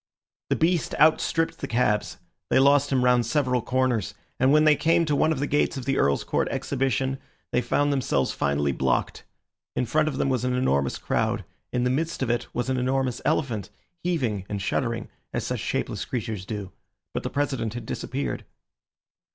The beast outstripped the cabs. They lost him round several corners, and when they came to one of the gates of the Earl's Court Exhibition they found themselves finally blocked. In front of them was an enormous crowd; in the midst of it was an enormous elephant, heaving and shuddering as such shapeless creatures do. But the President had disappeared.